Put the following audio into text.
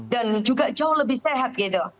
dan juga jauh lebih sehat gitu